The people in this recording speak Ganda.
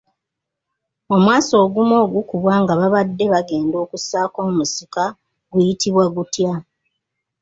Omwasi ogumu ogukubwa nga babadde bagenda okussaako omusika guyitibwa gutya?